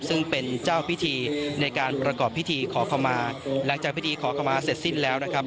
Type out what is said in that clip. ซึ่งเป็นเจ้าพิธีในการประกอบพิธีขอขมาหลังจากพิธีขอขมาเสร็จสิ้นแล้วนะครับ